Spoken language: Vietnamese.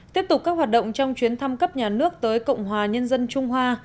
tiếp tục các hoạt động trong chuyến thăm cấp nhà nước tới cộng hòa nhân dân trung hoa